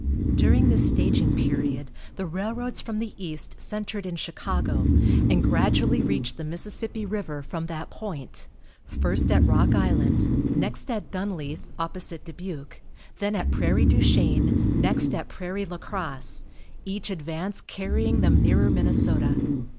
During this staging period the railroads from the East centered in Chicago, and gradually reached the Mississippi river from that point; first at Rock Island, next at Dunleith, opposite Dubuque, then at Prairie du Chien, next at Prairie La Crosse, each advance carrying them nearer Minnesota.